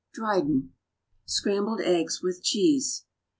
Dryden. =Scrambled Eggs with Cheese.